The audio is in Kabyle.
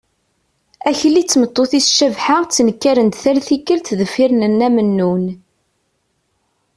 Akli d tmeṭṭut-is Cabḥa ttnekkaren-d tal tikkelt deffir n nna Mennun.